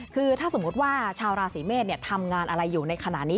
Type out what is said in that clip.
คือถ้าสมมุติว่าชาวราศีเมษทำงานอะไรอยู่ในขณะนี้